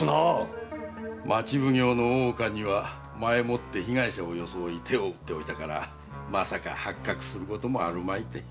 町奉行の大岡には前もって被害者を装い手を打っておいたからまさか発覚することもあるまいて。